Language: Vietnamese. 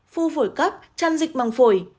phu phổi cấp trăn dịch bằng phổi